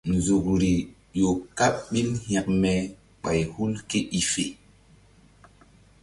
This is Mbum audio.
Nzukri ƴo kaɓ ɓil hekme ɓay hul ké i fe.